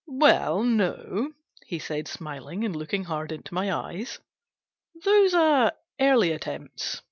" Well, no/' he said, smiling, and looking hard into my eyes ;" those are early attempts.